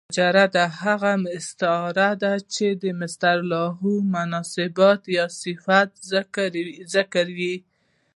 مجرده هغه استعاره ده، چي د مستعارله مناسبات یا صفات ذکر يي.